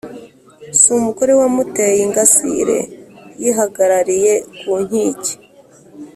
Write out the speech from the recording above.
Si umugore wamuteye ingasire yihagarariye ku nkike